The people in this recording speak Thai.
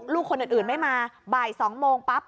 ลูกคนอื่นไม่มาบ่าย๒โมงปั๊บ